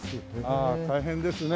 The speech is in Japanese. ああ大変ですね。